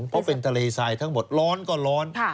เพราะเป็นทะเลทรายทั้งหมดร้อนก็ร้อน